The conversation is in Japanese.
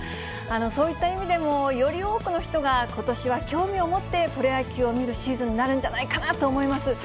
そういった意味でも、より多くの人がことしは興味を持ってプロ野球を見るシーズンになるんじゃないかなと思います。